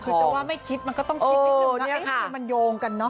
คือจะว่าไม่คิดมันก็ต้องคิดนิดนึงว่าเอ๊ะทำไมมันโยงกันเนอะ